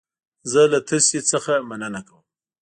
زه له تاسو څخه مننه کوم.